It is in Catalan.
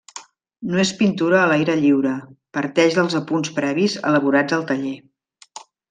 No és pintura a l'aire lliure, parteix dels apunts previs elaborats al taller.